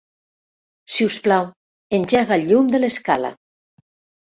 Si us plau, engega el llum de l'escala.